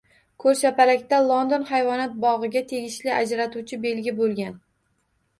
Ko‘rshapalakda London hayvonot bog‘iga tegishli ajratuvchi belgi bo‘lgan